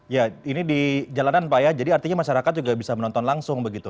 ya ini di jalanan pak ya jadi artinya masyarakat juga bisa menonton langsung begitu